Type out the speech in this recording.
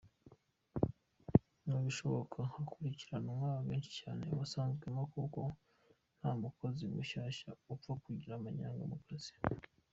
mu bishoboka hakurikiranwa benshi cyane abasanzwemo Kuko, ntamukozi mushyashya upfa kugira amanyanga mukazi .